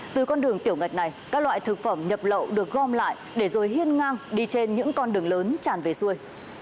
từ con đường tiểu ngạch này các loại thực phẩm nhập lậu được gom lại để rồi hiên ngang đi trên những con đường lớn tràn về xuôi